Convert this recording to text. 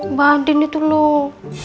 mbak andin itu loh